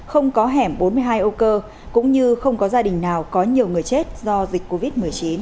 không có hẻm bốn mươi hai âu cơ cũng như không có gia đình nào có nhiều người chết do dịch covid một mươi chín